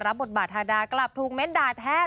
บทบาททาดากลับถูกเม้นด่าแท้